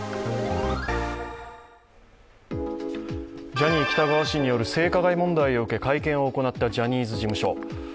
ジャニー喜多川氏による性加害問題を受け会見を行ったジャニーズ事務所。